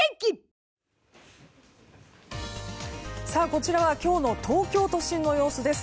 こちらは今日の東京都心の様子です。